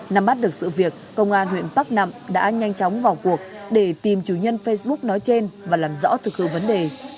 năm bắt được sự việc công an huyện bắc nẵm đã nhanh chóng vào cuộc để tìm chủ nhân facebook nói trên và làm rõ thực hư vấn đề